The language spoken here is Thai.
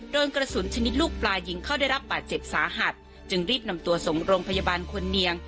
โดนกระสุนชนิดลูกปลายิงเข้าได้รับบาดเจ็บสาหัสจึงรีบนำตัวส่งโรงพยาบาลควรเนียง